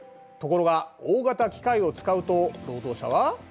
ところが大型機械を使うと労働者は？